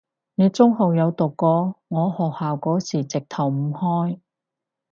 你中學有讀過？我學校嗰時直頭唔開